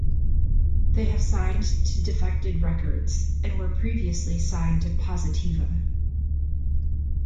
They have signed to Defected Records, and were previously signed to Positiva.